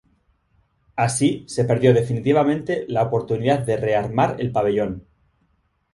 Así, se perdió definitivamente la oportunidad de rearmar el Pabellón.